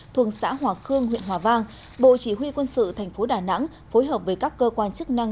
thuồng xã hòa khương huyện hòa vang bộ chỉ huy quân sự tp đà nẵng phối hợp với các cơ quan chức năng